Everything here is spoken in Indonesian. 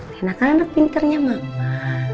kenakan anak pinternya mama